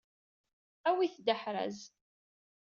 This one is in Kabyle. Awit-d aḥraz.